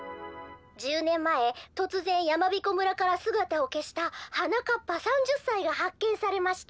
やまびこ村からすがたをけしたはなかっぱ３０さいがはっけんされました」。